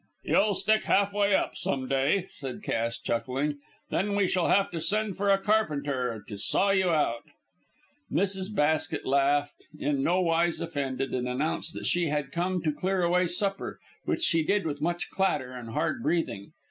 "You'll stick halfway up some day!" said Cass, chuckling, "then we shall have to send for a carpenter to saw you out!" Mrs. Basket laughed, in nowise offended, and announced that she had come to clear away supper, which she did with much clatter and hard breathing.